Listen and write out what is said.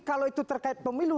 kalau itu terkait pemilu